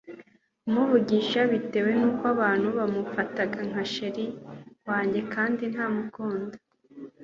kumuvugisha bitewe nuko abantu bamufataga nka chr wanjye kandi ntamukunda